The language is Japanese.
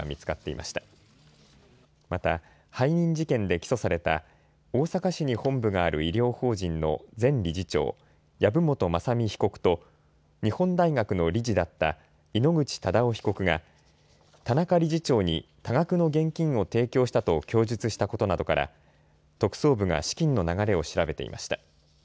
また、背任事件で起訴された大阪市に本部がある医療法人の前理事長、籔本雅巳被告と日本大学の理事だった井ノ口忠男被告が田中理事長に多額の現金を提供したと供述したことなどから特捜部が資金の流れを調べていました。